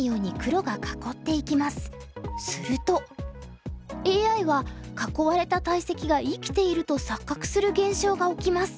するとＡＩは囲われた大石が生きていると錯覚する現象が起きます。